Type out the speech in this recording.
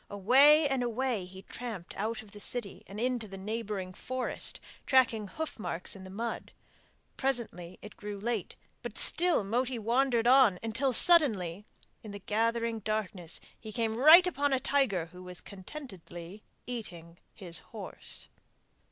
Away and away he tramped out of the city and into the neighbouring forest, tracking hoof marks in the mud. Presently it grew late, but still Moti wandered on until suddenly in the gathering darkness he came right upon a tiger who was contentedly eating his horse.